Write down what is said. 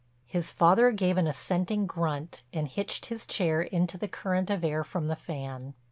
His father gave an assenting grunt and hitched his chair into the current of air from the fan.